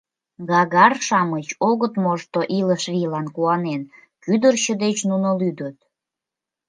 Гагар-шамыч огыт мошто илыш вийлан куанен: кӱдырчӧ деч нуно лӱдыт.